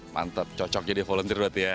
mantap cocok jadi volunteer buat dia